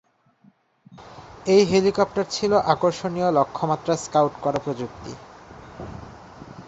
এই হেলিকপ্টার ছিল আকর্ষণীয় লক্ষ্যমাত্রা স্কাউট করা প্রযুক্তি।